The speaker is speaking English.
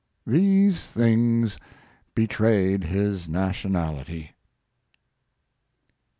These things betrayed his nationality.